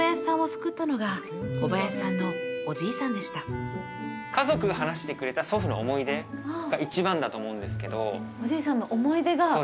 小林さんのおじいさんでした家族が話してくれた祖父の思い出が一番だと思うんですけどおじいさんの思い出が？